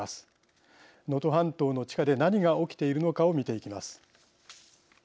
能登半島の地下で何が起きているのかを見ていきます。